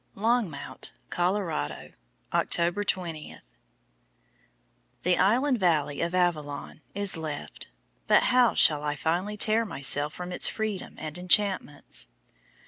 LONGMOUNT, COLORADO, October 20. "The Island Valley of Avillon" is left, but how shall I finally tear myself from its freedom and enchantments?